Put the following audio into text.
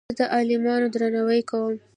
زه د علماوو درناوی کوم.